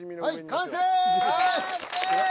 完成！